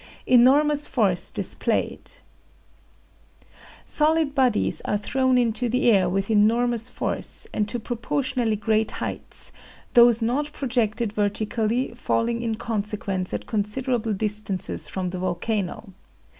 ENORMOUS FORCE DISPLAYED Solid bodies are thrown into the air with enormous force and to proportionally great heights, those not projected vertically falling in consequence at considerable distances from the volcano.